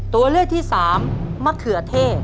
ตัวเลือกที่สามมะเขือเท่